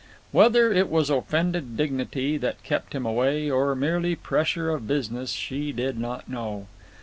Whether it was offended dignity that kept him away, or merely pressure of business, she did not know.